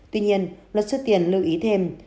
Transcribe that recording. tuy nhiên luật sư tiền lưu ý thêm